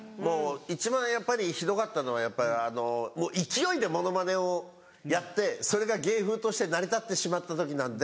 一番やっぱりひどかったのはやっぱりあの勢いでモノマネをやってそれが芸風として成り立ってしまった時なんで。